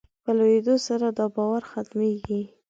د لویېدو سره دا باور ختمېږي.